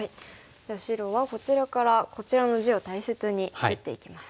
じゃあ白はこちらからこちらの地を大切に打っていきます。